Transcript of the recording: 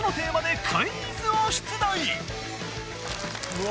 うわ。